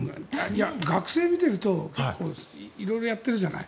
学生を見ていると色々やってるじゃない。